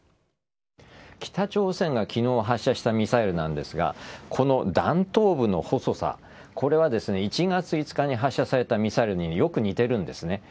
北朝鮮がきのう発射したミサイルなんですが、この弾頭部の細さ、これはですね、１月５日に発射されたミサイルによく似てるんですね。